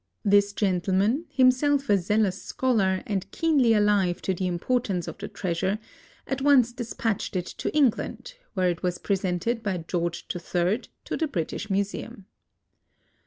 This gentleman, himself a zealous scholar and keenly alive to the importance of the treasure, at once dispatched it to England, where it was presented by George III to the British Museum.